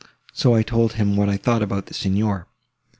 So I told him what I thought about the Signor.